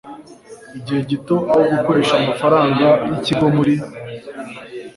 igihe gito aho gukoresha amafaranga y ikigo muri